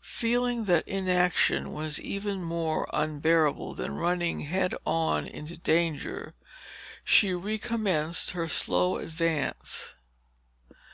Feeling that inaction was even more unbearable than running head on into danger, she recommenced her slow advance.